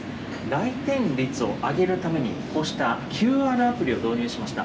来店率を上げるために、こうしたＱＲアプリを導入しました。